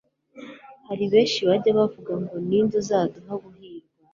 hari benshi bajya bavuga ngo ni nde uzaduha guhirwa